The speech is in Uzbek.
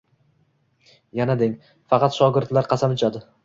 Yana deng, faqat shogirdlar qasam ichadi.